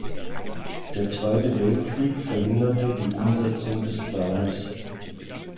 Der Zweite Weltkrieg verhinderte die Umsetzung des Planes.